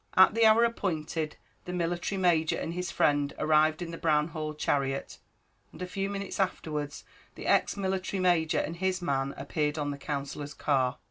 At the hour appointed, the military Major and his friend arrived in the Brown Hall chariot, and a few minutes afterwards the ex military Major and his man appeared on the Counsellor's car.